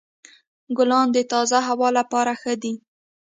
ګلان د تازه هوا لپاره ښه دي.